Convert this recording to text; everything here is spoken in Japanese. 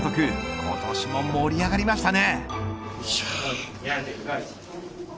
今年も盛り上がりましたね。